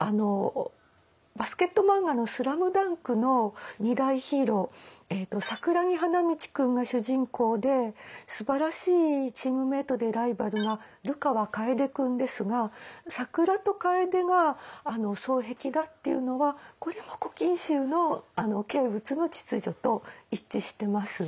バスケット漫画の「ＳＬＡＭＤＵＮＫ」の二大ヒーロー桜木花道君が主人公ですばらしいチームメートでライバルが流川楓君ですが桜と楓が双璧だっていうのはこれも「古今集」の景物の秩序と一致してます。